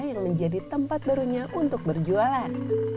yang menjadi tempat barunya untuk berjualan